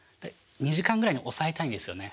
２時間ぐらいに抑えたいんですよね。